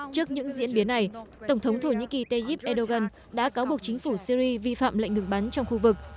trước những diễn biến này tổng thống thổ nhĩ kỳ tayyip erdogan đã cáo buộc chính phủ syri vi phạm lệnh ngừng bắn trong khu vực